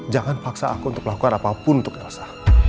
jangan paksa aku untuk melakukan apapun untuk rasa